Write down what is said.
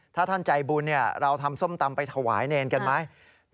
ถ้าท่านใจบุญเราทำส้มตำไปถวายเนรกันไหม